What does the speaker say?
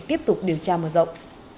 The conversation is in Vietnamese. tiếp tục điều tra mở rộng